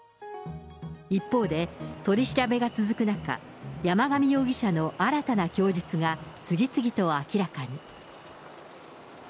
一方で、取り調べが続く中、山上容疑者の新たな供述が、次々と明らかに。